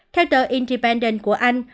theo tờ independent của anh